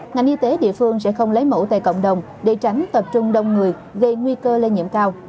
ngành y tế địa phương sẽ không lấy mẫu tại cộng đồng để tránh tập trung đông người gây nguy cơ lây nhiễm cao